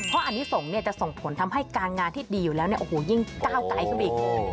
เพราะอันนี้จะส่งผลทำให้การงานที่ดีอยู่แล้วยิ่งก้าวไกลเข้าไปอีก